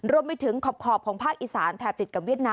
รวมไปถึงขอบของภาคอีสานแถบติดกับเวียดนาม